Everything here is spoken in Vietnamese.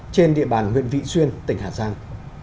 trên địa bàn huyện vị xuyên tỉnh hà giang